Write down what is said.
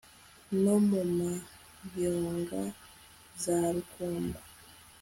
No mu muyonga za rukumba